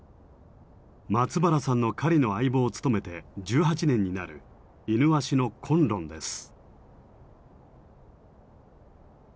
松原さんの狩りの相棒を務めて１８年になるイヌワシの崑崙です。